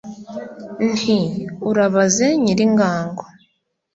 Nti: Urabaze Nyilingango,